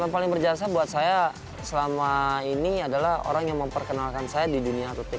jalan paling berjalan saya buat saya selama ini adalah orang yang memperkenalkan saya di dunia atletik